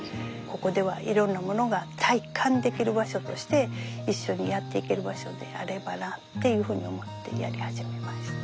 ここではいろんなものが体感できる場所として一緒にやっていける場所であればなっていうふうに思ってやり始めました。